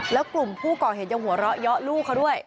แล้วกลุ่มผู้ก่อเหตุยังหัวเราะเยาะลูกเขาด้วย